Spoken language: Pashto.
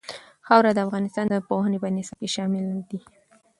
خاوره د افغانستان د پوهنې په نصاب کې شامل دي.